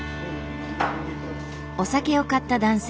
お酒を買った男性。